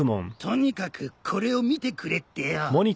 とにかくこれを見てくれってよ。